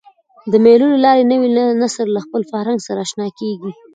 د مېلو له لاري نوی نسل له خپل فرهنګ سره اشنا کېږي.